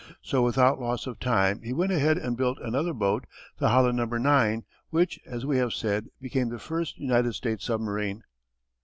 So without loss of time he went ahead and built another boat, the Holland No. 9, which, as we have said, became the first United States submarine.